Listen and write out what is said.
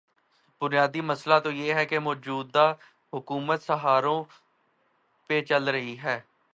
بنیادی مسئلہ تو یہ ہے کہ موجودہ حکومت سہاروں پہ چل رہی ہے۔